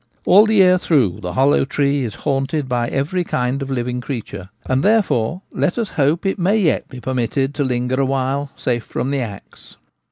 All the year through the hollow tree is haunted by every kind of living creature, and therefore let us hope it may yet be permitted to linger awhile safe from the axe.